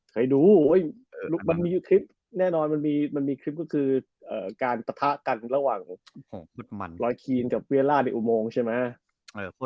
เคยดูมันมีคลิปแน่นอนมันมีคลิปก็คือการปะทะกันระหว่างรอยคีนกับเวียล่าในอุโมงใช่ไหม